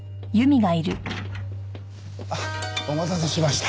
あっお待たせしました。